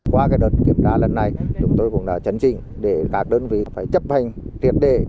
qua đợt kiểm tra lần này chúng tôi cũng đã chấn trình để các đơn vị phải chấp hành tiền đề